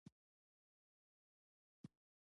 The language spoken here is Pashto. . د حکومتی نظام، اخلاقی نظام، ټولنیز نظام